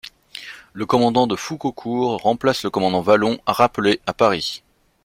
Le commandant de Foucaucourt remplace le commandant Vallon rappelé à Paris.